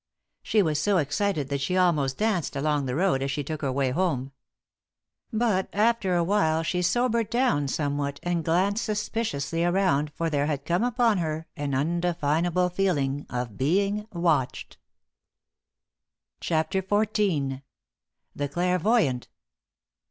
She was so excited that she almost danced along the road as she took her way home. But after a while she sobered down somewhat and glanced suspiciously around for there had come upon her an undefinable feeling of being watched. CHAPTER XIV. THE CLAIRVOYANT.